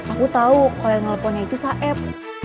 aku tau kalau yang ngeleponnya itu saeb